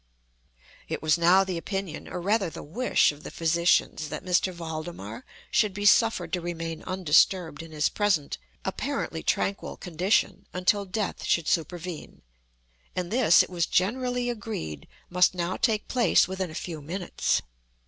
It was now the opinion, or rather the wish, of the physicians, that M. Valdemar should be suffered to remain undisturbed in his present apparently tranquil condition, until death should supervene—and this, it was generally agreed, must now take place within a few minutes.